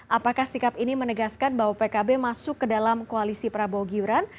apakah sikap ini menegaskan bahwa pkb masuk ke dalam koalisi prabowo giran